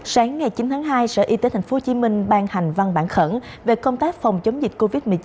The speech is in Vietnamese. sáng ngày chín tháng hai sở y tế tp hcm ban hành văn bản khẩn về công tác phòng chống dịch covid một mươi chín